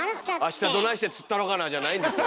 明日どないして釣ったろかなあじゃないんですよ。